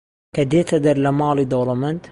کە دێتە دەر لە ماڵی دەوڵەمەند